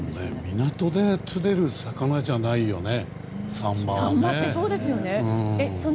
港で釣れる魚じゃないよね